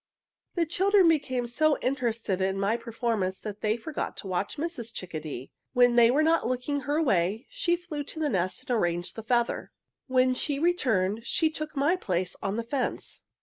"The children became so interested in my performance that they forgot to watch Mrs. Chickadee. When they were not looking her way, she flew to the nest and arranged the feather. "When she returned she took my place on the fence.